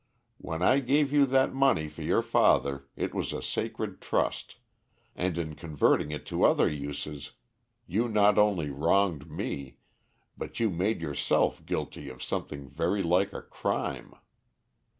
When I gave you that money for your father it was a sacred trust, and in converting it to other uses you not only wronged me, but you made yourself guilty of something very like a crime.